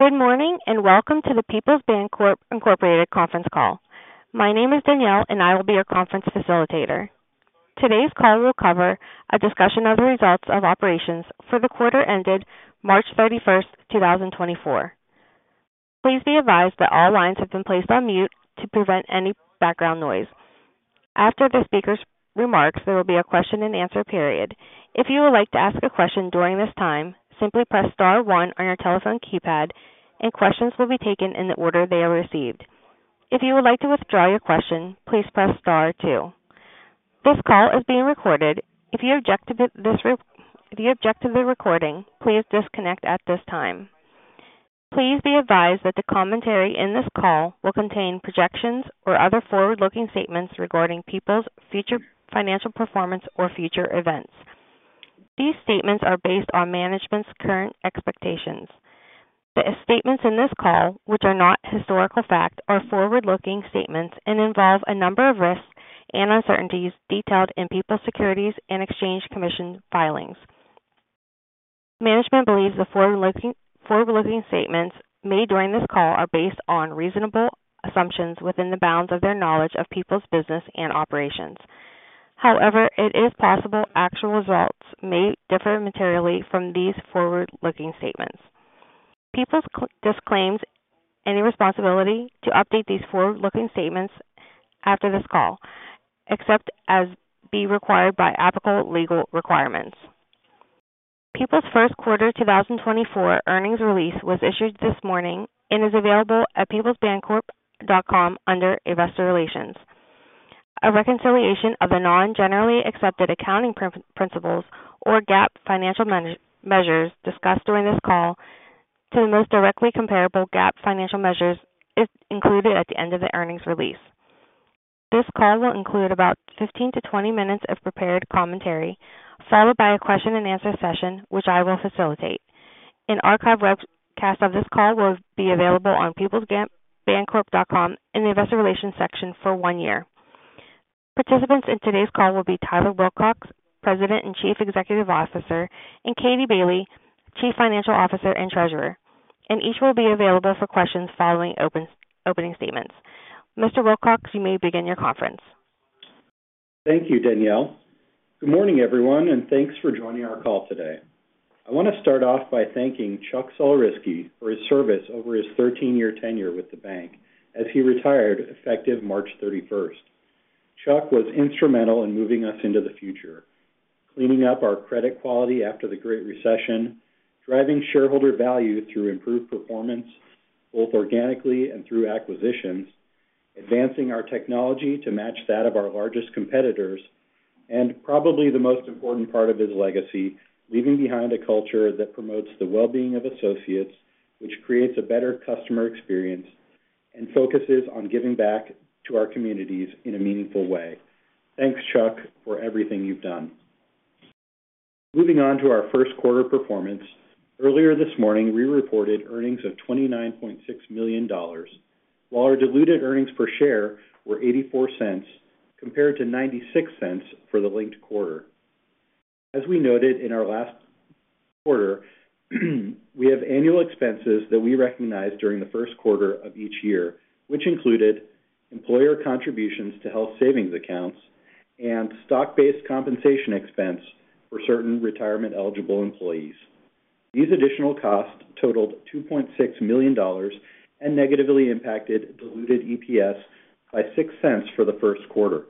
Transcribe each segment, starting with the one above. Good morning, and welcome to the Peoples Bancorp Incorporated conference call. My name is Danielle, and I will be your conference facilitator. Today's call will cover a discussion of the results of operations for the quarter ended March 31, 2024. Please be advised that all lines have been placed on mute to prevent any background noise. After the speaker's remarks, there will be a question-and-answer period. If you would like to ask a question during this time, simply press star one on your telephone keypad, and questions will be taken in the order they are received. If you would like to withdraw your question, please press star two. This call is being recorded. If you object to the recording, please disconnect at this time. Please be advised that the commentary in this call will contain projections or other forward-looking statements regarding Peoples' future financial performance or future events. These statements are based on management's current expectations. The statements in this call, which are not historical fact, are forward-looking statements and involve a number of risks and uncertainties detailed in Peoples' Securities and Exchange Commission filings. Management believes the forward-looking, forward-looking statements made during this call are based on reasonable assumptions within the bounds of their knowledge of Peoples' business and operations. However, it is possible actual results may differ materially from these forward-looking statements. Peoples disclaims any responsibility to update these forward-looking statements after this call, except as may be required by applicable legal requirements. Peoples' first quarter 2024 earnings release was issued this morning and is available at peoplesbancorp.com under Investor Relations. A reconciliation of the non-generally accepted accounting principles or GAAP financial measures discussed during this call to the most directly comparable GAAP financial measures is included at the end of the earnings release. This call will include about 15-20 minutes of prepared commentary, followed by a question-and-answer session, which I will facilitate. An archive webcast of this call will be available on peoplesbancorp.com in the Investor Relations section for one year. Participants in today's call will be Tyler Wilcox, President and Chief Executive Officer, and Katie Bailey, Chief Financial Officer and Treasurer, and each will be available for questions following opening statements. Mr. Wilcox, you may begin your conference. Thank you, Danielle. Good morning, everyone, and thanks for joining our call today. I want to start off by thanking Chuck Sulerzyski for his service over his 13-year tenure with the bank as he retired effective March 31st. Chuck was instrumental in moving us into the future, cleaning up our credit quality after the Great Recession, driving shareholder value through improved performance, both organically and through acquisitions, advancing our technology to match that of our largest competitors, and probably the most important part of his legacy, leaving behind a culture that promotes the well-being of associates, which creates a better customer experience and focuses on giving back to our communities in a meaningful way. Thanks, Chuck, for everything you've done. Moving on to our first quarter performance. Earlier this morning, we reported earnings of $29.6 million, while our diluted earnings per share were $0.84 compared to $0.96 for the linked quarter. As we noted in our last quarter, we have annual expenses that we recognize during the first quarter of each year, which included employer contributions to Health Savings Accounts and stock-based compensation expense for certain retirement-eligible employees. These additional costs totaled $2.6 million and negatively impacted diluted EPS by $0.06 for the first quarter.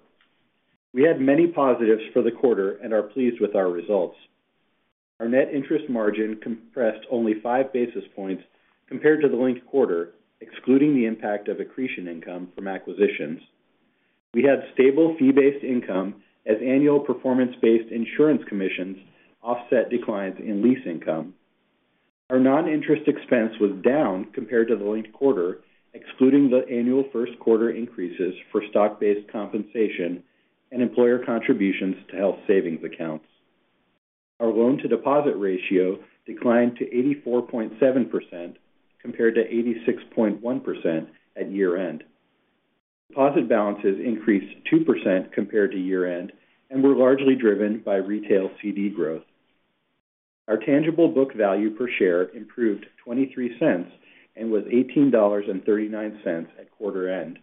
We had many positives for the quarter and are pleased with our results. Our net interest margin compressed only 5 basis points compared to the linked quarter, excluding the impact of accretion income from acquisitions. We had stable fee-based income as annual performance-based insurance commissions offset declines in lease income. Our non-interest expense was down compared to the linked quarter, excluding the annual first quarter increases for stock-based compensation and employer contributions to Health Savings Accounts. Our loan-to-deposit ratio declined to 84.7% compared to 86.1% at year-end. Deposit balances increased 2% compared to year-end and were largely driven by retail CD growth. Our tangible book value per share improved $0.23 and was $18.39 at quarter-end.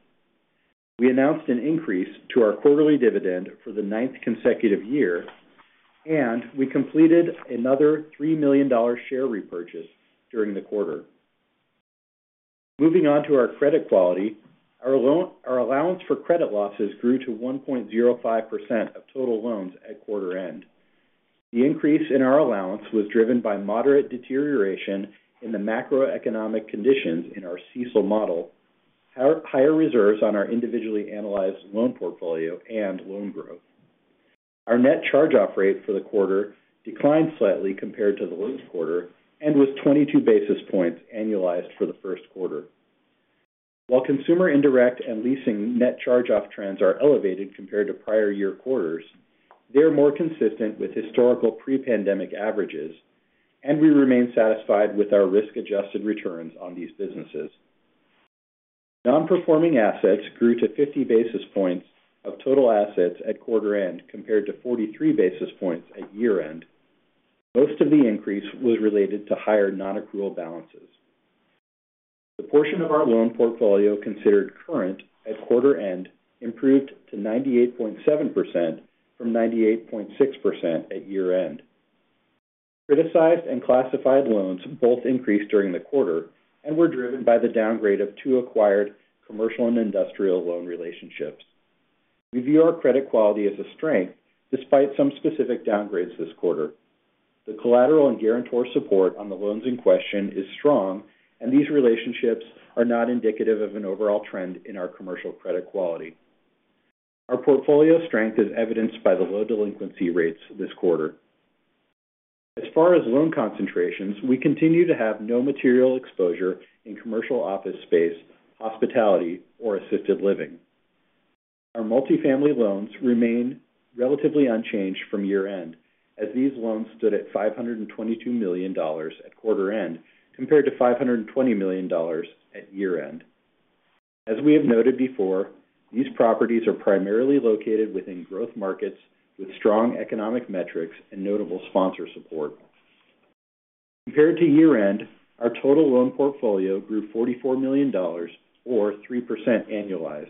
We announced an increase to our quarterly dividend for the 9th consecutive year, and we completed another $3 million share repurchase during the quarter. Moving on to our credit quality. Our allowance for credit losses grew to 1.05% of total loans at quarter-end. The increase in our allowance was driven by moderate deterioration in the macroeconomic conditions in our CECL model, higher reserves on our individually analyzed loan portfolio and loan growth. Our net charge-off rate for the quarter declined slightly compared to the linked quarter and was 22 basis points annualized for the first quarter. While consumer, indirect, and leasing net charge-off trends are elevated compared to prior year quarters, they are more consistent with historical pre-pandemic averages, and we remain satisfied with our risk-adjusted returns on these businesses. Non-performing assets grew to 50 basis points of total assets at quarter end compared to 43 basis points at year-end. Most of the increase was related to higher non-accrual balances. The portion of our Loan portfolio considered current at quarter end improved to 98.7% from 98.6% at year-end. Criticized and classified loans both increased during the quarter and were driven by the downgrade of two acquired Commercial and Industrial loan relationships. We view our credit quality as a strength despite some specific downgrades this quarter. The collateral and guarantor support on the loans in question is strong, and these relationships are not indicative of an overall trend in our commercial credit quality. Our portfolio strength is evidenced by the low delinquency rates this quarter. As far as loan concentrations, we continue to have no material exposure in commercial office space, hospitality or assisted living. Our multifamily loans remain relatively unchanged from year-end, as these loans stood at $522 million at quarter end, compared to $520 million at year-end. As we have noted before, these properties are primarily located within growth markets with strong economic metrics and notable sponsor support. Compared to year-end, our total loan portfolio grew $44 million or 3% annualized.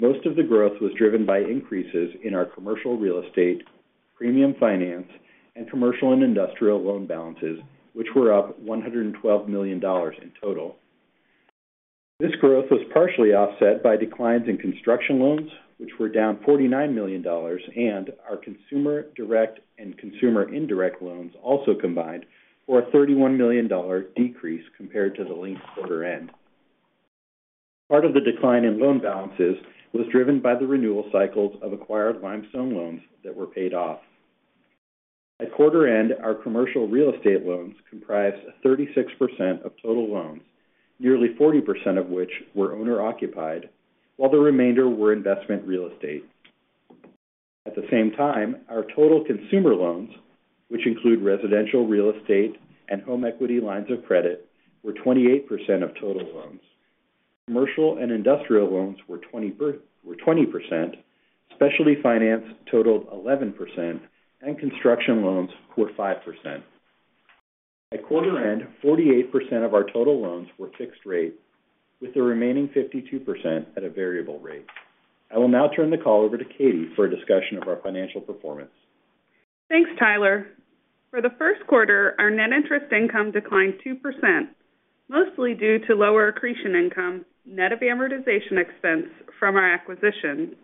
Most of the growth was driven by increases in our commercial real estate, premium finance, and commercial and industrial loan balances, which were up $112 million in total. This growth was partially offset by declines in construction loans, which were down $49 million, and our consumer direct and consumer indirect loans also combined for a $31 million decrease compared to the linked quarter end. Part of the decline in loan balances was driven by the renewal cycles of acquired Limestone loans that were paid off. At quarter end, our commercial real estate loans comprised 36% of total loans, nearly 40% of which were owner-occupied, while the remainder were investment real estate. At the same time, our total Consumer Loans, which include residential, real estate, and home equity lines of credit, were 28% of total loans. Commercial and Industrial loans were twenty - were 20%, specialty finance totaled 11%, and construction loans were 5%. At quarter end, 48% of our total loans were fixed rate, with the remaining 52% at a variable rate. I will now turn the call over to Katie for a discussion of our financial performance. Thanks, Tyler. For the first quarter, our net interest income declined 2%, mostly due to lower accretion income, net of amortization expense from our acquisition.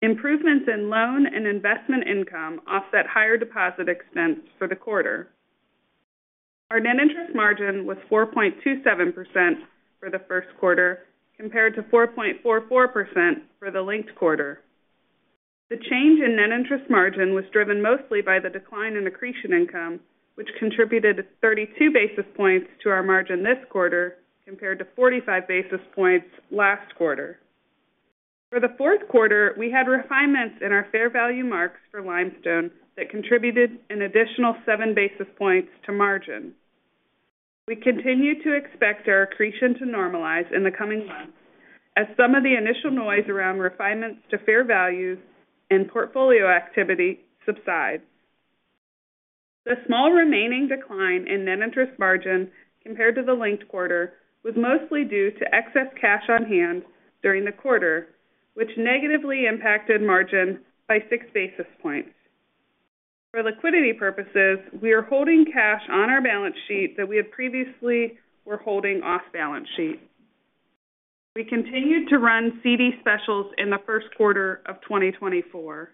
Improvements in Loan and Investment income offset higher deposit expense for the quarter. Our net interest margin was 4.27% for the first quarter, compared to 4.44% for the linked quarter. The change in net interest margin was driven mostly by the decline in accretion income, which contributed 32 basis points to our margin this quarter, compared to 45 basis points last quarter. For the fourth quarter, we had refinements in our fair value marks for Limestone that contributed an additional 7 basis points to margin. We continue to expect our accretion to normalize in the coming months, as some of the initial noise around refinements to fair values and portfolio activity subside. The small remaining decline in net interest margin compared to the linked quarter, was mostly due to excess cash on hand during the quarter, which negatively impacted margin by six basis points. For liquidity purposes, we are holding cash on our balance sheet that we had previously were holding off balance sheet. We continued to run CD specials in the first quarter of 2024.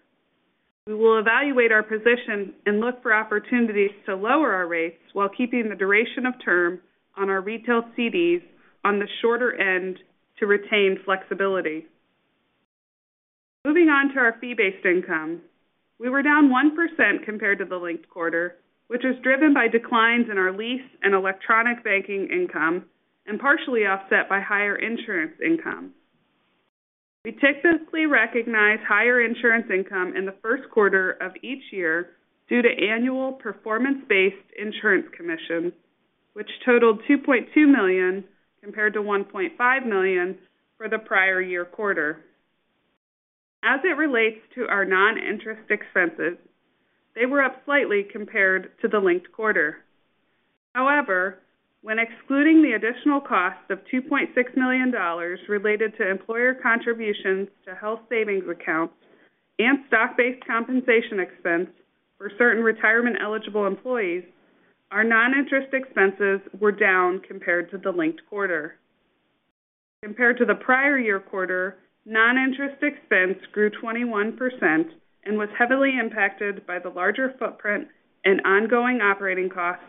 We will evaluate our position and look for opportunities to lower our rates while keeping the duration of term on our retail CDs on the shorter end to retain flexibility. Moving on to our fee-based income. We were down 1% compared to the linked quarter, which was driven by declines in our lease and electronic banking income and partially offset by higher insurance income. We typically recognize higher insurance income in the first quarter of each year due to annual performance-based insurance commission, which totaled $2.2 million, compared to $1.5 million for the prior year quarter. As it relates to our non-interest expenses, they were up slightly compared to the linked quarter. However, when excluding the additional cost of $2.6 million related to employer contributions to health savings accounts and stock-based compensation expense for certain retirement-eligible employees, our non-interest expenses were down compared to the linked quarter. Compared to the prior year quarter, non-interest expense grew 21% and was heavily impacted by the larger footprint and ongoing operating costs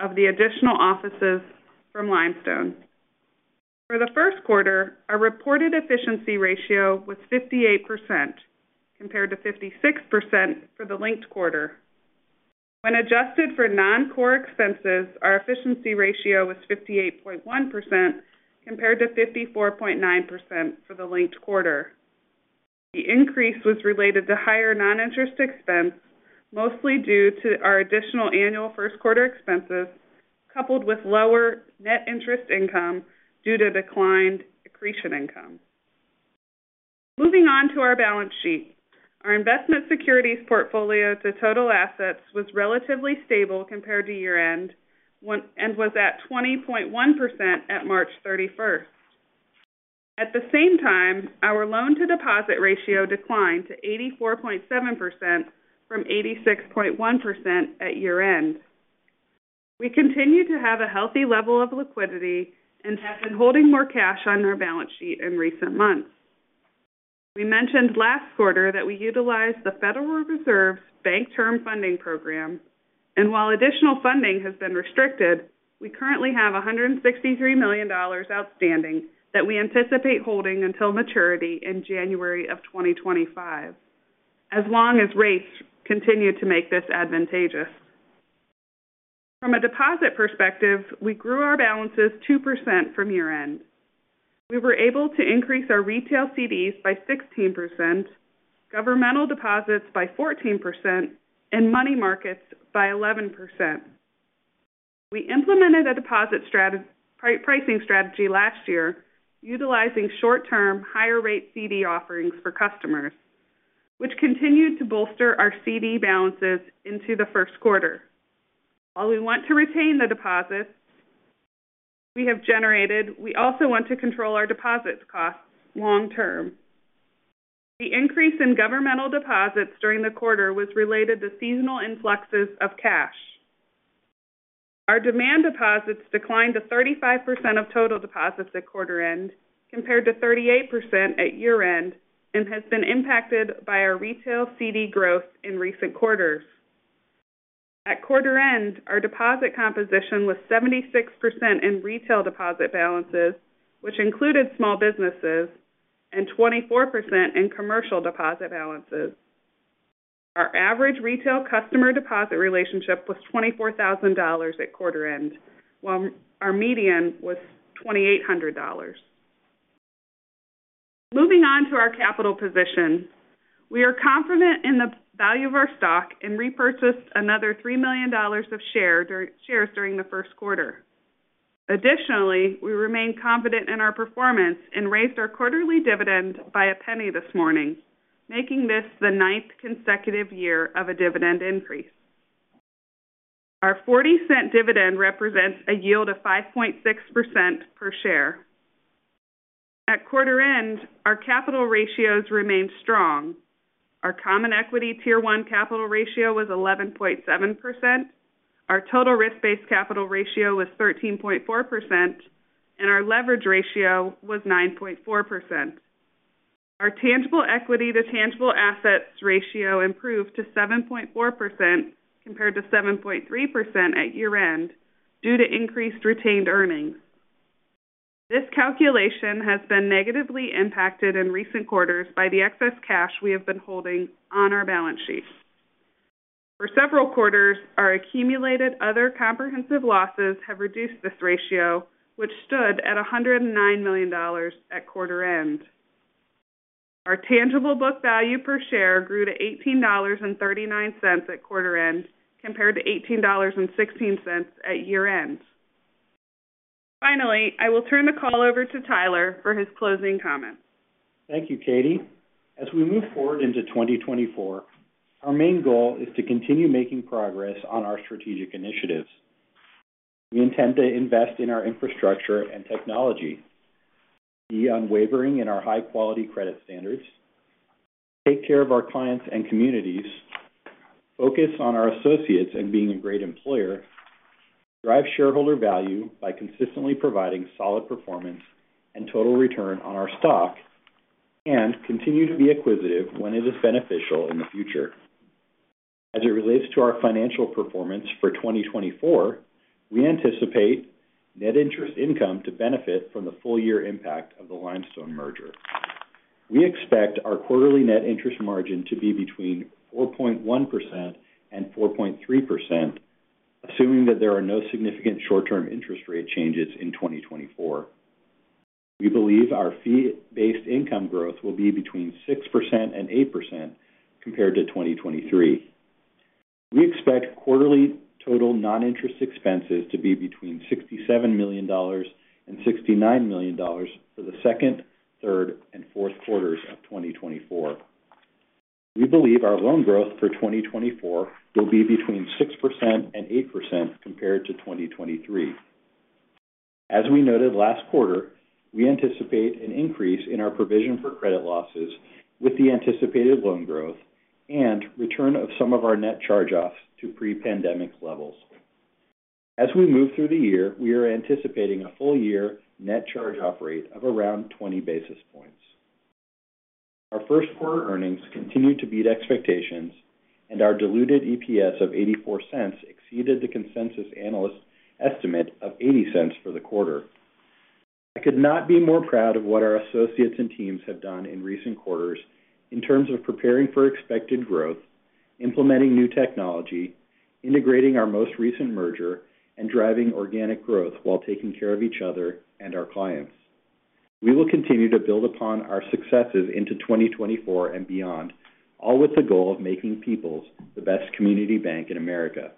of the additional offices from Limestone. For the first quarter, our reported efficiency ratio was 58%, compared to 56% for the linked quarter. When adjusted for non-core expenses, our efficiency ratio was 58.1%, compared to 54.9% for the linked quarter. The increase was related to higher non-interest expense, mostly due to our additional annual first quarter expenses, coupled with lower net interest income due to declined accretion income. Moving on to our balance sheet. Our investment securities portfolio to total assets was relatively stable compared to year-end, and was at 20.1% at March 31st. At the same time, our loan to deposit ratio declined to 84.7% from 86.1% at year-end. We continue to have a healthy level of liquidity and have been holding more cash on our balance sheet in recent months. We mentioned last quarter that we utilized the Federal Reserve's Bank Term Funding Program, and while additional funding has been restricted, we currently have $163 million outstanding that we anticipate holding until maturity in January 2025, as long as rates continue to make this advantageous. From a deposit perspective, we grew our balances 2% from year-end. We were able to increase our retail CDs by 16%, governmental deposits by 14%, and Money Markets by 11%. We implemented a deposit strategy, pricing strategy last year, utilizing short-term, higher rate CD offerings for customers which continued to bolster our CD balances into the first quarter. While we want to retain the deposits we have generated, we also want to control our deposit costs long term. The increase in governmental deposits during the quarter was related to seasonal influxes of cash. Our demand deposits declined to 35% of total deposits at quarter end, compared to 38% at year-end, and has been impacted by our retail CD growth in recent quarters. At quarter end, our deposit composition was 76% in retail deposit balances, which included small businesses, and 24% in commercial deposit balances. Our average retail customer deposit relationship was $24,000 at quarter end, while our median was $2,800. Moving on to our capital position. We are confident in the value of our stock and repurchased another $3 million of shares during the first quarter. Additionally, we remain confident in our performance and raised our quarterly dividend by a penny this morning making this the ninth consecutive year of a dividend increase. Our $0.40 dividend represents a yield of 5.6% per share. At quarter end, our capital ratios remained strong. Our Common Equity Tier 1 capital ratio was 11.7%, our total risk-based capital ratio was 13.4%, and our leverage ratio was 9.4%. Our tangible equity to tangible assets ratio improved to 7.4%, compared to 7.3% at year-end, due to increased retained earnings. This calculation has been negatively impacted in recent quarters by the excess cash we have been holding on our balance sheet. For several quarters, our accumulated other comprehensive losses have reduced this ratio, which stood at $109 million at quarter end. Our tangible book value per share grew to $18.39 at quarter end, compared to $18.16 at year-end. Finally, I will turn the call over to Tyler for his closing comments. Thank you, Katie. As we move forward into 2024, our main goal is to continue making progress on our strategic initiatives. We intend to invest in our infrastructure and technology, be unwavering in our high-quality credit standards, take care of our clients and communities, focus on our associates and being a great employer, drive shareholder value by consistently providing solid performance and total return on our stock, and continue to be acquisitive when it is beneficial in the future. As it relates to our financial performance for 2024, we anticipate net interest income to benefit from the full year impact of the Limestone merger. We expect our quarterly net interest margin to be between 4.1% and 4.3%, assuming that there are no significant short-term interest rate changes in 2024. We believe our fee-based income growth will be between 6% and 8% compared to 2023. We expect quarterly total non-interest expenses to be between $67 million and $69 million for the second, third, and fourth quarters of 2024. We believe our loan growth for 2024 will be between 6% and 8% compared to 2023. As we noted last quarter, we anticipate an increase in our provision for credit losses with the anticipated loan growth and return of some of our net charge-offs to pre-pandemic levels. As we move through the year, we are anticipating a full year net charge-off rate of around 20 basis points. Our first quarter earnings continued to beat expectations, and our diluted EPS of $0.84 exceeded the consensus analyst estimate of $0.80 for the quarter. I could not be more proud of what our associates and teams have done in recent quarters in terms of preparing for expected growth, implementing new technology, integrating our most recent merger, and driving organic growth while taking care of each other and our clients. We will continue to build upon our successes into 2024 and beyond, all with the goal of making Peoples the best community bank in America.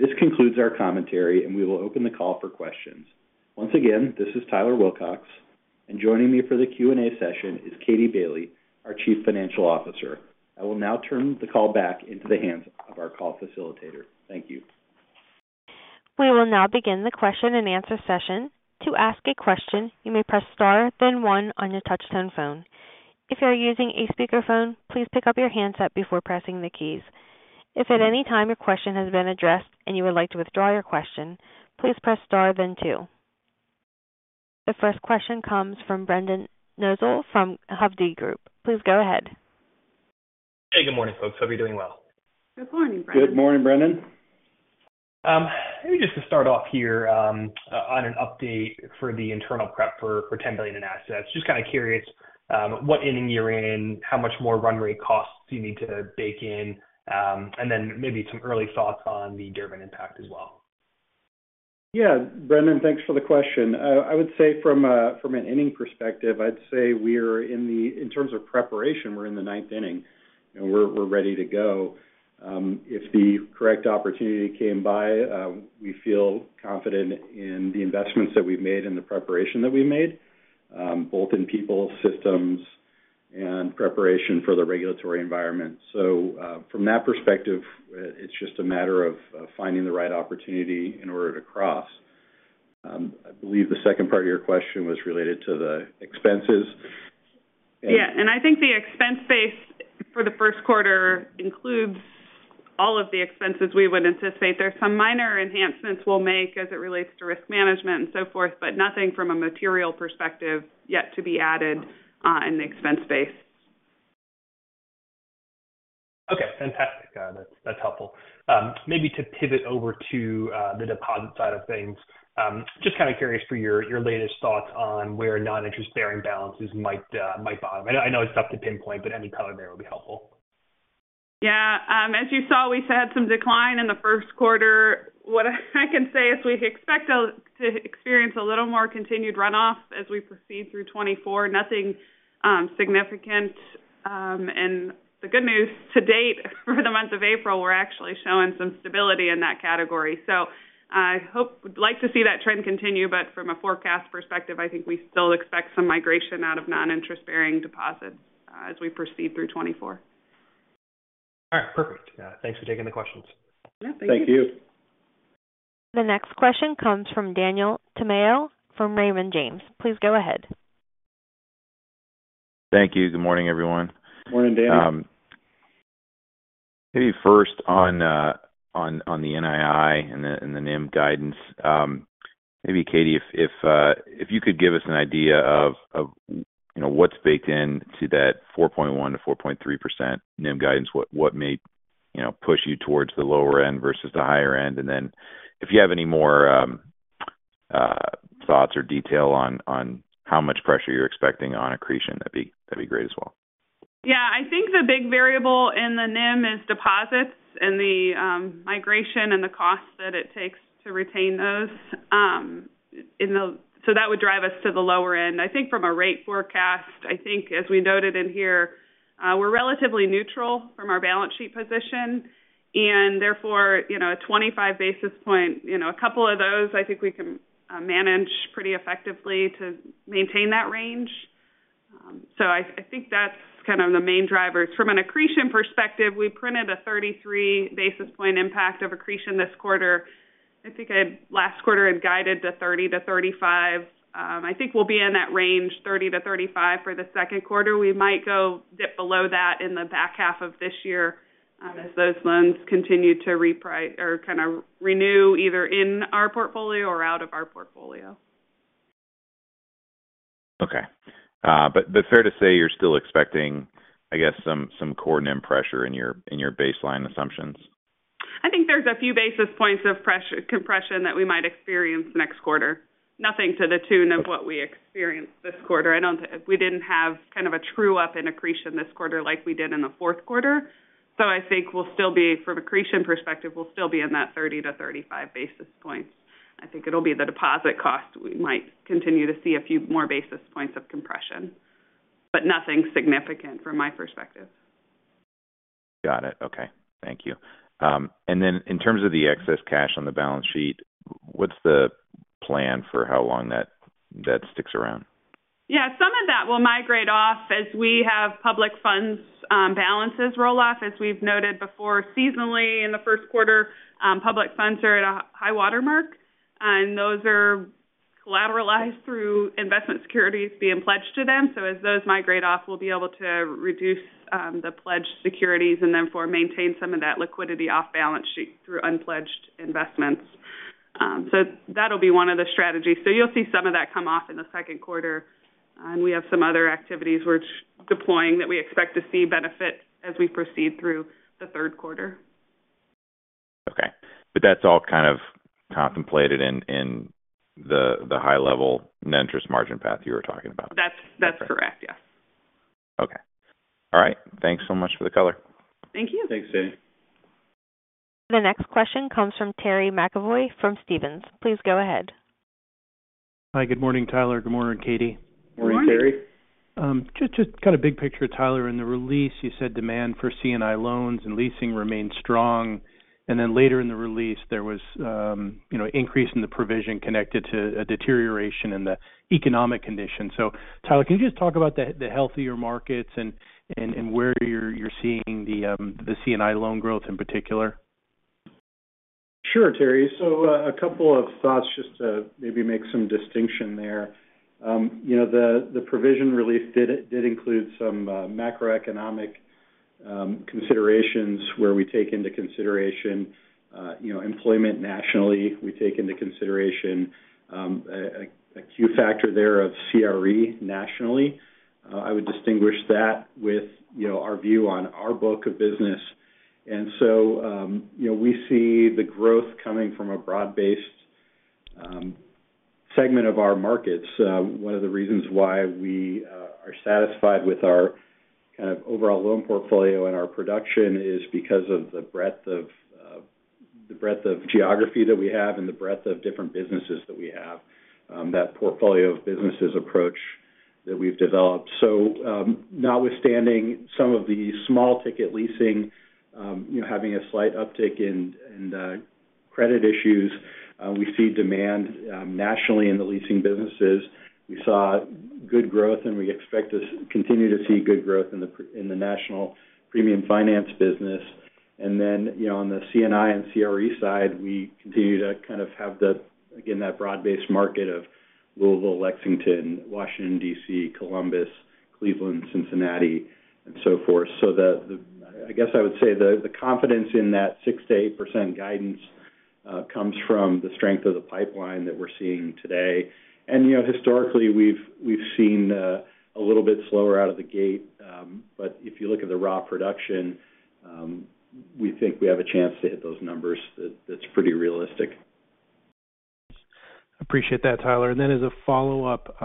This concludes our commentary, and we will open the call for questions. Once again, this is Tyler Wilcox, and joining me for the Q&A session is Katie Bailey, our Chief Financial Officer. I will now turn the call back into the hands of our call facilitator. Thank you. We will now begin the question-and-answer session. To ask a question, you may press star, then one on your touchtone phone. If you are using a speakerphone, please pick up your handset before pressing the keys. If at any time your question has been addressed and you would like to withdraw your question, please press star, then two. The first question comes from Brendan Nosal from Hovde Group. Please go ahead. Hey, good morning, folks. Hope you're doing well. Good morning, Brendan. Good morning, Brendan. Maybe just to start off here, on an update for the internal prep for $10 billion in assets. Just kind of curious, what inning you're in, how much more run rate costs you need to bake in, and then maybe some early thoughts on the Durbin impact as well. Yeah, Brendan, thanks for the question. I would say from an inning perspective, I'd say we are in terms of preparation, we're in the ninth inning, and we're ready to go. If the correct opportunity came by, we feel confident in the investments that we've made and the preparation that we made, both in people, systems, and preparation for the regulatory environment. So, from that perspective, it's just a matter of finding the right opportunity in order to cross. I believe the second part of your question was related to the expenses. Yeah. And I think the expense base for the first quarter includes all of the expenses we would anticipate. There are some minor enhancements we'll make as it relates to risk management and so forth, but nothing from a material perspective yet to be added in the expense base. Okay. Fantastic. That's, that's helpful. Maybe to pivot over to the deposit side of things. Just kind of curious for your, your latest thoughts on where non-interest bearing balances might, might bottom. I know, I know it's tough to pinpoint, but any color there would be helpful. Yeah. As you saw, we've had some decline in the first quarter. What I can say is we expect to experience a little more continued runoff as we proceed through 2024. Nothing significant. And the good news, to date, for the month of April, we're actually showing some stability in that category. So I hope we'd like to see that trend continue, but from a forecast perspective, I think we still expect some migration out of non-interest-bearing deposits as we proceed through 2024. All right. Perfect. Thanks for taking the questions. Yeah, thank you. Thank you. The next question comes from Daniel Tamayo, from Raymond James. Please go ahead. Thank you. Good morning, everyone. Morning, Daniel. Maybe first on the NII and the NIM guidance. Maybe, Katie, if you could give us an idea of, you know, what's baked in to that 4.1%-4.3% NIM guidance. What may, you know, push you towards the lower end versus the higher end? And then if you have any more thoughts or detail on how much pressure you're expecting on accretion, that'd be great as well. Yeah. I think the big variable in the NIM is deposits and the migration and the cost that it takes to retain those in the - so that would drive us to the lower end. I think from a rate forecast, I think as we noted in here, we're relatively neutral from our balance sheet position, and therefore, you know, a 25 basis point, you know, a couple of those, I think we can manage pretty effectively to maintain that range. So I think that's kind of the main driver. From an accretion perspective, we printed a 33 basis point impact of accretion this quarter. I think last quarter I had guided to 30-35. I think we'll be in that range, 30-35 for the second quarter. We might go dip below that in the back half of this year, as those loans continue to reprice or kind of renew either in our portfolio or out of our portfolio. Okay. But fair to say you're still expecting, I guess, some core NIM pressure in your baseline assumptions? I think there's a few basis points of pressure compression that we might experience next quarter. Nothing to the tune of what we experienced this quarter. We didn't have kind of a true-up in accretion this quarter like we did in the fourth quarter. So I think we'll still be, from accretion perspective, we'll still be in that 30-35 basis points. I think it'll be the deposit cost. We might continue to see a few more basis points of compression, but nothing significant from my perspective. Got it. Okay. Thank you. And then in terms of the excess cash on the balance sheet, what's the plan for how long that, that sticks around? Yeah, some of that will migrate off as we have public funds, balances roll off. As we've noted before, seasonally, in the first quarter, public funds are at a high water mark, and those are collateralized through investment securities being pledged to them. So as those migrate off, we'll be able to reduce, the pledged securities and therefore maintain some of that liquidity off balance sheet through unpledged investments. So that'll be one of the strategies. So you'll see some of that come off in the second quarter, and we have some other activities we're deploying that we expect to see benefit as we proceed through the third quarter. But that's all kind of contemplated in the high level net interest margin path you were talking about? That's, that's correct. Yeah. Okay. All right. Thanks so much for the color. Thank you. Thanks, Danny. The next question comes from Terry McEvoy from Stephens. Please go ahead. Hi, good morning, Tyler. Good morning, Katie. Good morning, Terry. Just kind of big picture, Tyler, in the release, you said demand for C&I loans and leasing remained strong, and then later in the release, there was, you know, increase in the provision connected to a deterioration in the economic conditions. So Tyler, can you just talk about the healthier markets and where you're seeing the C&I loan growth in particular? Sure, Terry. So, a couple of thoughts just to maybe make some distinction there. You know, the provision release did include some macroeconomic considerations, where we take into consideration, you know, employment nationally. We take into consideration, a Q factor there of CRE nationally. I would distinguish that with, you know, our view on our book of business. And so, you know, we see the growth coming from a broad-based segment of our markets. One of the reasons why we are satisfied with our kind of overall loan portfolio and our production is because of the breadth of the breadth of geography that we have and the breadth of different businesses that we have, that portfolio of businesses approach that we've developed. So, notwithstanding some of the small ticket leasing, you know, having a slight uptick in credit issues, we see demand nationally in the leasing businesses. We saw good growth, and we expect to continue to see good growth in the national premium finance business. And then, you know, on the C&I and CRE side, we continue to kind of have the, again, that broad-based market of Louisville, Lexington, Washington, D.C., Columbus, Cleveland, Cincinnati, and so forth. So the - I guess I would say the confidence in that 6%-8% guidance comes from the strength of the pipeline that we're seeing today. You know, historically, we've, we've seen a little bit slower out of the gate, but if you look at the raw production, we think we have a chance to hit those numbers. That, that's pretty realistic. Appreciate that, Tyler. And then as a follow-up,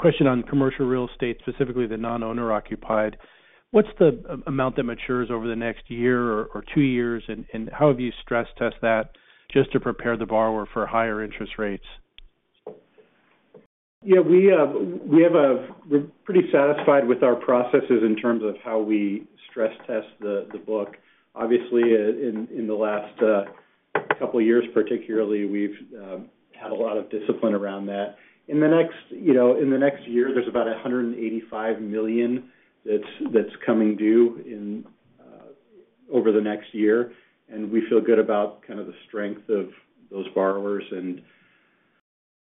question on commercial real estate, specifically the non-owner occupied. What's the amount that matures over the next year or two years? And how have you stress-tested that just to prepare the borrower for higher interest rates? Yeah, we, we have, we're pretty satisfied with our processes in terms of how we stress test the, the book. Obviously, in, in the last couple of years, particularly, we've had a lot of discipline around that. In the next, you know, in the next year, there's about $185 million that's, that's coming due in over the next year, and we feel good about kind of the strength of those borrowers. And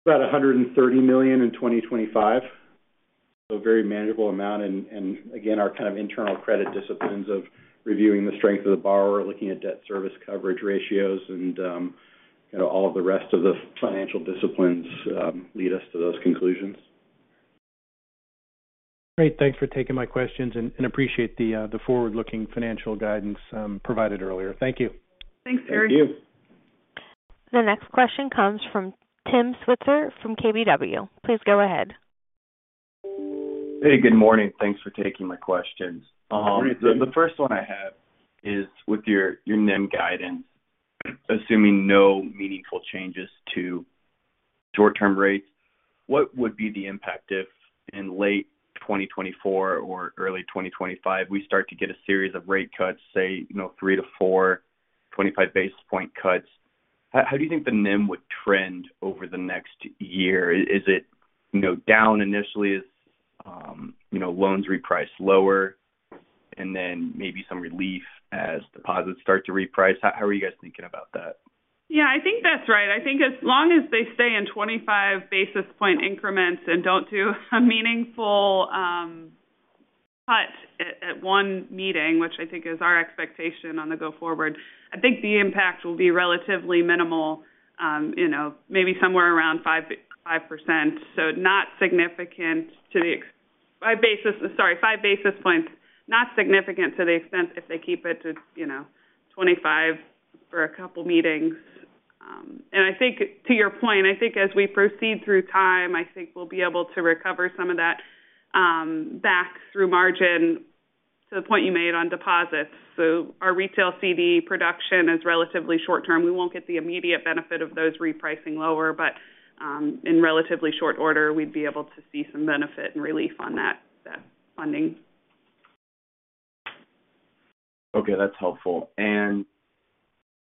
about $130 million in 2025, so a very manageable amount. And, and again, our kind of internal credit disciplines of reviewing the strength of the borrower, looking at debt service coverage ratios, and, you know, all of the rest of the financial disciplines, lead us to those conclusions. Great. Thanks for taking my questions and appreciate the forward-looking financial guidance provided earlier. Thank you. Thanks, Terry. Thank you. The next question comes from Tim Switzer from KBW. Please go ahead. Hey, good morning. Thanks for taking my questions. Good morning, Tim. The first one I have is with your NIM guidance, assuming no meaningful changes to short-term rates, what would be the impact if in late 2024 or early 2025, we start to get a series of rate cuts, say, you know, three to four 25 basis point cuts? How do you think the NIM would trend over the next year? Is it, you know, down initially as, you know, loans reprice lower, and then maybe some relief as deposits start to reprice? How are you guys thinking about that? Yeah, I think that's right. I think as long as they stay in 25 basis point increments and don't do a meaningful, cut at, at one meeting, which I think is our expectation on the go forward, I think the impact will be relatively minimal, you know, maybe somewhere around 5, 5%. So not significant to the ex- 5 basis-- sorry, 5 basis points. Not significant to the extent if they keep it to, you know, 25 for a couple of meetings. And I think, to your point, I think as we proceed through time, I think we'll be able to recover some of that, back through margin to the point you made on deposits. So our retail CD production is relatively short term. We won't get the immediate benefit of those repricing lower, but, in relatively short order, we'd be able to see some benefit and relief on that, funding. Okay, that's helpful. And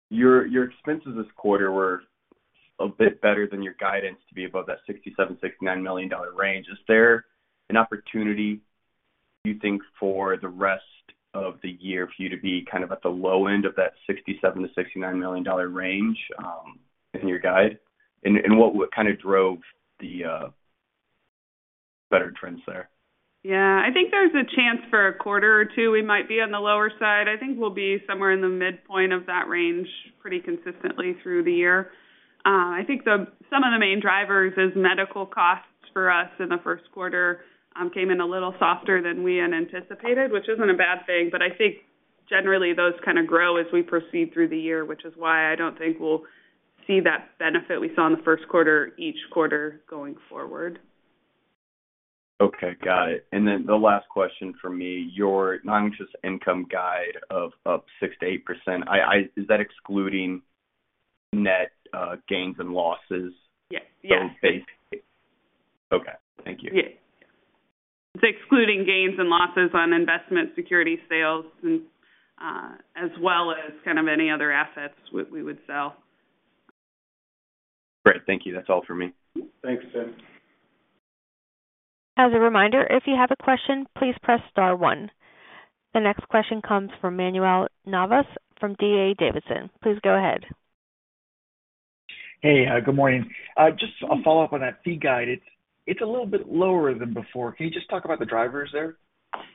your expenses this quarter were a bit better than your guidance to be above that $67-$69 million range. Is there an opportunity, do you think, for the rest of the year for you to be kind of at the low end of that $67-$69 million range in your guide? And what kind of drove the better trends there? Yeah, I think there's a chance for a quarter or two we might be on the lower side. I think we'll be somewhere in the midpoint of that range pretty consistently through the year. I think some of the main drivers is medical costs for us in the first quarter came in a little softer than we had anticipated, which isn't a bad thing. But I think generally those kind of grow as we proceed through the year, which is why I don't think we'll see that benefit we saw in the first quarter, each quarter going forward. Okay, got it. Then the last question for me, your non-interest income guide of up 6%-8%, I, is that excluding net gains and losses? Yes, yes. Okay. Thank you. Yes. It's excluding gains and losses on investment security sales and, as well as kind of any other assets we would sell. Great. Thank you. That's all for me. Thanks, Tim. As a reminder, if you have a question, please press star one. The next question comes from Manuel Navas, from D.A. Davidson. Please go ahead. Hey, good morning. Just a follow-up on that fee guide. It's, it's a little bit lower than before. Can you just talk about the drivers there?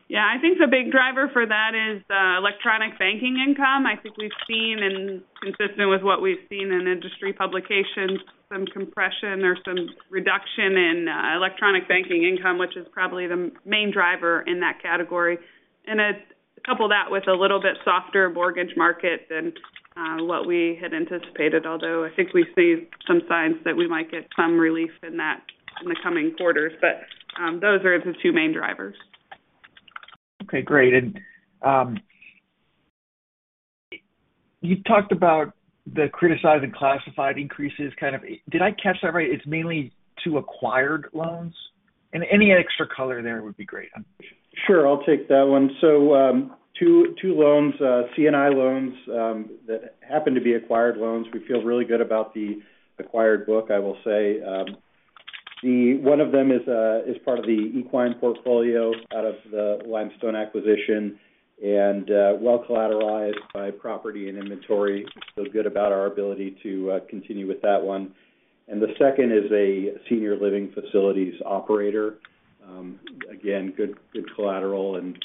Yeah, I think the big driver for that is electronic banking income. I think we've seen, and consistent with what we've seen in industry publications, some compression or some reduction in electronic banking income, which is probably the main driver in that category. And couple that with a little bit softer mortgage market than what we had anticipated, although I think we see some signs that we might get some relief in that in the coming quarters. But those are the two main drivers. Okay, great. And, you talked about the criticized and classified increases, kind of... Did I catch that right? It's mainly two acquired loans. And any extra color there would be great. Sure, I'll take that one. So, two loans, C&I loans, that happen to be acquired loans. We feel really good about the acquired book, I will say. The one of them is part of the Equine portfolio out of the Limestone acquisition, and well collateralized by property and inventory. So good about our ability to continue with that one. And the second is a senior living facilities operator. Again, good, good collateral and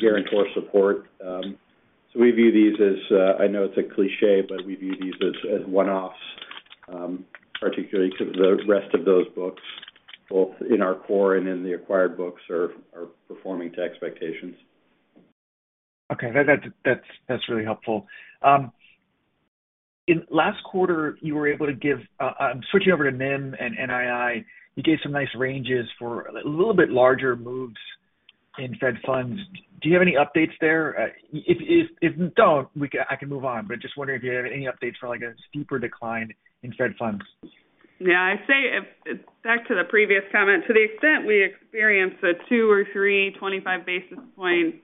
guarantor support. So we view these as, I know it's a cliché, but we view these as one-offs, particularly because the rest of those books, both in our core and in the acquired books, are performing to expectations. Okay. That's really helpful. In last quarter, you were able to give, switching over to NIM and NII, you gave some nice ranges for a little bit larger moves in Fed funds. Do you have any updates there? If you don't, we can. I can move on, but just wondering if you have any updates for, like, a steeper decline in Fed funds. Yeah, I'd say if, back to the previous comment, to the extent we experienced a 2 or 3 25 basis point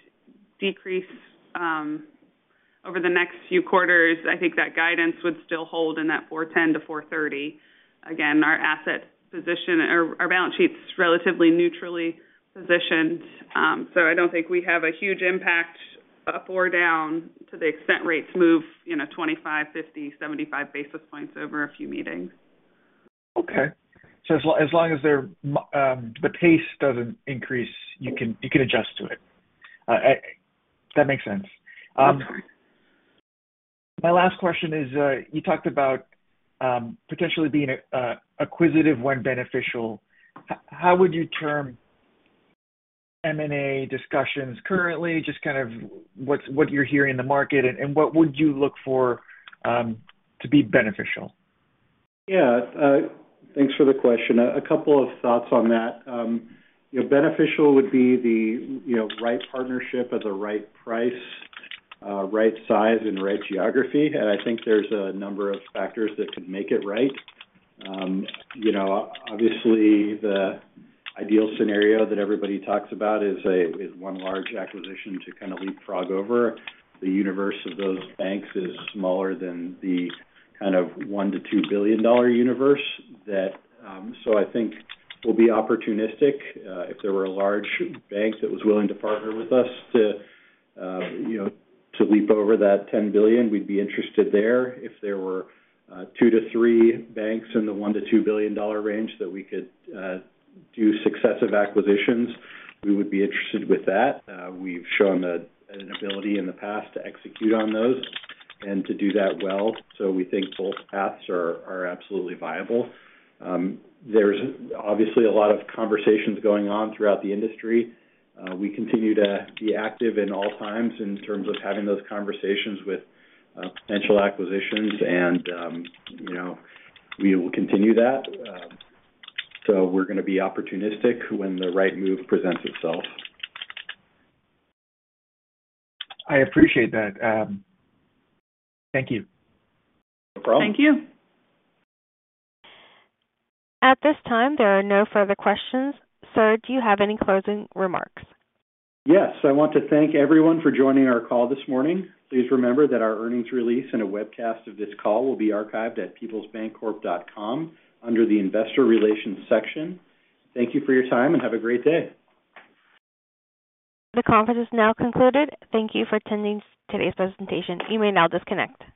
decrease over the next few quarters, I think that guidance would still hold in that 410-430. Again, our asset position, or our balance sheet's relatively neutrally positioned. So I don't think we have a huge impact up or down to the extent rates move, you know, 25, 50, 75 basis points over a few meetings. Okay. So as long as the pace doesn't increase, you can adjust to it. That makes sense. My last question is, you talked about potentially being acquisitive when beneficial. How would you term M&A discussions currently? Just kind of what you're hearing in the market, and what would you look for to be beneficial? Yeah, thanks for the question. A couple of thoughts on that. You know, beneficial would be the right partnership at the right price, right size and right geography. And I think there's a number of factors that could make it right. You know, obviously, the ideal scenario that everybody talks about is one large acquisition to kind of leapfrog over. The universe of those banks is smaller than the kind of $1 billion-$2 billion universe that, so I think we'll be opportunistic. If there were a large bank that was willing to partner with us to, you know, to leap over that $10 billion, we'd be interested there. If there were two to three banks in the $1-$2 billion range that we could do successive acquisitions, we would be interested with that. We've shown an ability in the past to execute on those and to do that well, so we think both paths are absolutely viable. There's obviously a lot of conversations going on throughout the industry. We continue to be active in all times in terms of having those conversations with potential acquisitions and you know, we will continue that. So we're gonna be opportunistic when the right move presents itself. I appreciate that, thank you. No problem. Thank you. At this time, there are no further questions. Sir, do you have any closing remarks? Yes, I want to thank everyone for joining our call this morning. Please remember that our earnings release and a webcast of this call will be archived at peoplesbancorp.com under the Investor Relations section. Thank you for your time, and have a great day. The conference is now concluded. Thank you for attending today's presentation. You may now disconnect.